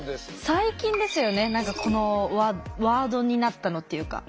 最近ですよね何かこのワードになったのっていうか。